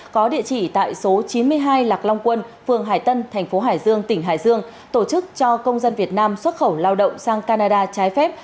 có địa chỉ tại số chín mươi hai lạc long quân phường hải tân thành phố hải dương tỉnh hải dương tổ chức cho công dân việt nam xuất khẩu lao động sang canada trái phép